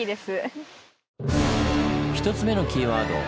１つ目のキーワード